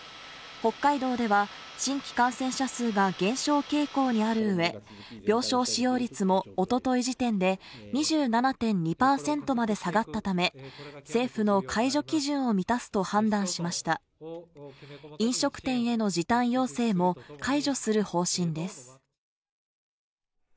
北海道では新規感染者数が減少傾向にあるうえ病床使用率もおととい時点で２７．２％まで下がったため政府の解除基準を満たすと判断しました飲食店への時短要請も解除する方針です